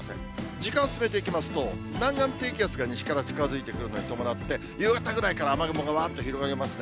時間進めていきますと、南岸低気圧が西から近づいてくるのに伴って、夕方ぐらいから雨雲がわーっと広がりますね。